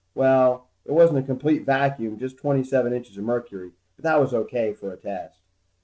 Well, it wasn't a complete vacuum, just twenty seven inches of mercury, but that was O.K. for a test.